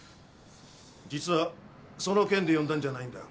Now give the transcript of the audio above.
実はその件で呼んだんじゃないんだ。